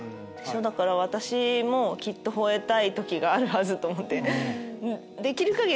だから私もきっとほえたい時があるはずと思ってできる限り